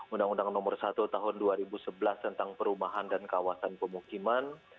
undang undang nomor satu tahun dua ribu sebelas tentang perumahan dan kawasan pemukiman